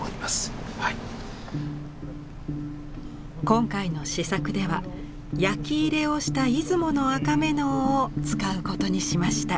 今回の試作では焼き入れをした出雲の赤瑪瑙を使うことにしました。